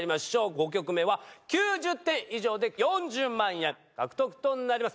５曲目は９０点以上で４０万円獲得となります。